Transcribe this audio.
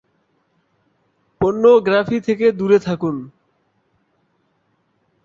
বিদেশে নির্মিত পর্নোগ্রাফি এই চাহিদা মিটিয়ে থাকে।